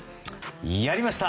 やりました！